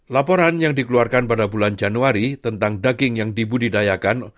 laporan yang dikeluarkan pada bulan januari tentang daging yang dibudidayakan